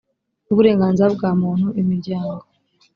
n uburenganzira bwa muntu imiryango